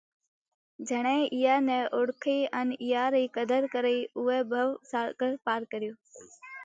جيڻئہ اِيئا نئہ اوۯکئِي ان اِيئا رئِي قڌر ڪرئي اُوئہ ڀوَ ساڳر پار ڪريو